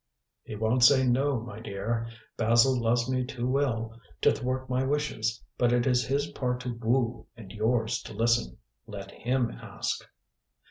"He won't say no, my dear. Basil loves me too well to thwart my wishes. But it is his part to woo and yours to listen. Let him ask."